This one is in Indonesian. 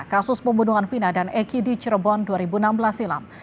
kasus pembunuhan vina dan eki di cirebon dua ribu enam belas silam